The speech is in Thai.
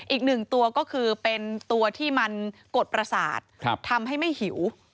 อีกหนึ่งตัวก็คือเป็นตัวที่มันกดประสาททำให้ไม่หิว